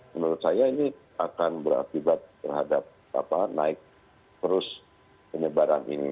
menurut saya ini akan berakibat terhadap naik terus penyebaran ini